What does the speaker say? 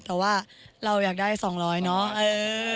แต่ว่าเราอยากได้สองร้อยเออ